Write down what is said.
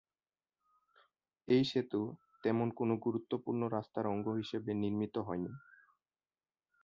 এই সেতু তেমন কোনও খুব গুরুত্বপূর্ণ রাস্তার অঙ্গ হিসেবে নির্মিত হয়নি।